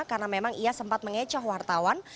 karena memang ia sempat mengecoh wartawan